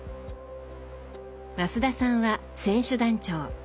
増田さんは選手団長。